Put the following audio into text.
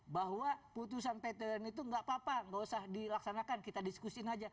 bahwa putusan ptun itu enggak apa apa enggak usah dilaksanakan kita diskusiin saja